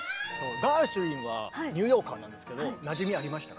ガーシュウィンはニューヨーカーなんですけどなじみありましたか？